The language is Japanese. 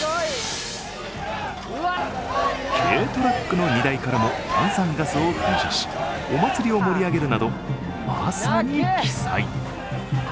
軽トラックの荷台からも炭酸ガスを噴射し、お祭りを盛り上げるなどまさに奇祭。